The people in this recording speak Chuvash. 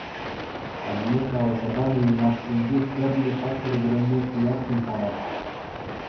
Анне каласа панӑ юмахсенчи тӗрлӗ паттӑр вырӑнне туяттӑм хама.